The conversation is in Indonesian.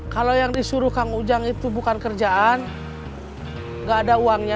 kalau yang disuruh kang ujang itu bukan kerjaan nggak ada uangnya